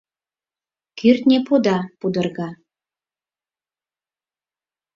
Кӱртньӧ пуда пудырга.